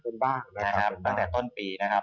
บ้างนะครับตั้งแต่ต้นปีนะครับ